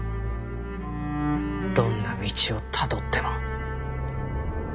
どんな道をたどっても。